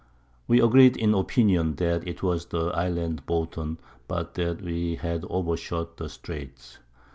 _] We agreed in Opinion that 'twas the Island Bouton, but that we had over shot the Straights.